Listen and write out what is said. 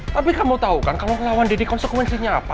tapi kamu tahu kan kalau lawan didi konsekuensinya apa